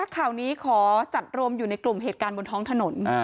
ข่าวนี้ขอจัดรวมอยู่ในกลุ่มเหตุการณ์บนท้องถนน